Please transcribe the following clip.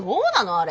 あれ。